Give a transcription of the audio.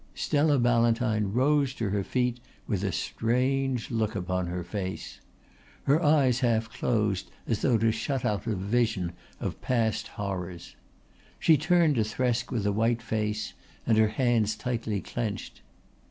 Stella Ballantyne rose to her feet with a strange look upon her face. Her eyes half closed as though to shut out a vision of past horrors. She turned to Thresk with a white face and her hands tightly clenched.